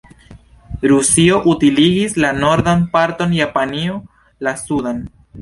Rusio utiligis la nordan parton, Japanio la sudan.